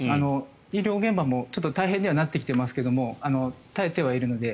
医療現場も大変にはなってきていますが耐えてはいるので。